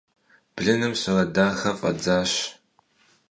Блыным сурэт дахэ фӀадзащ.